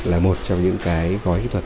là một trong những gói kỹ thuật